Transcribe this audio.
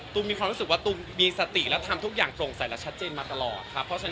ตูมมีความรู้สึกว่าตูมมีสติและทัมทุกอย่างตรงใสและชัดเจนมาตลอด